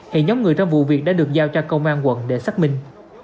hệ nhóm người ra vụ việc đã được giao cho công an quận để xác minh